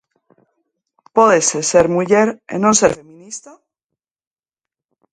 Pódese ser muller e non ser feminista?